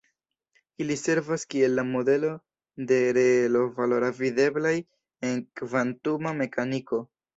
Ili servas kiel la modelo de reelo-valora videblaj en kvantuma mekaniko.